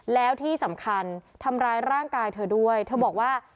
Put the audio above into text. แล้วที่สำคัญทำร้ายร่างกายเธอด้วยเธอบอกว่า